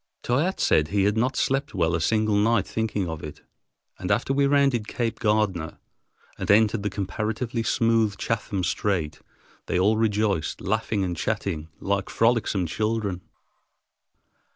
Toyatte said he had not slept well a single night thinking of it, and after we rounded Cape Gardner and entered the comparatively smooth Chatham Strait, they all rejoiced, laughing and chatting like frolicsome children.